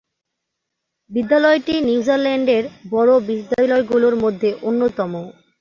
বিদ্যালয়টি নিউজিল্যান্ডের বড়ো বিদ্যালয়গুলোর মধ্যে অন্যতম